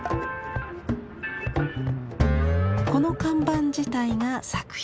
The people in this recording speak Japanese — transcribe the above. この看板自体が作品。